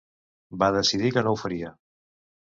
va decidir que no ho faria.